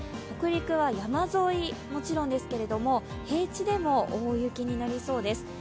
北陸は山沿いはもちろんですけれども平地でも大雪になりそうです。